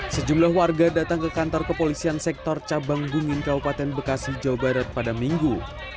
sejumlah warga datang ke kantor kepolisian sektor cabang bungin kabupaten bekasi jawa barat pada minggu